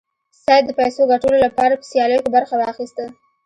سید د پیسو ګټلو لپاره په سیالیو کې برخه واخیسته.